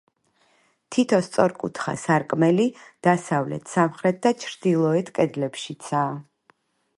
თითო სწორკუთხა სარკმელი დასავლეთ სამხრეთ და ჩრდილოეთ კედლებშიცაა.